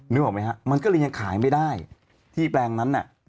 นึกออกไหมฮะมันก็เลยยังขายไม่ได้ที่แปลงนั้นน่ะ